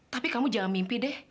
tapi kamu jangan mimpi deh